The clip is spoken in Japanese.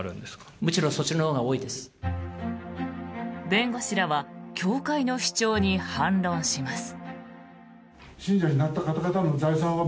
弁護士らは教会の主張に反論します。